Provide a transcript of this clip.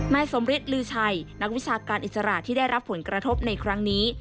นายสมฤทธิ์ลือชัยนักวิชาการอิสระที่ได้รับผลกระทบในครั้งนี้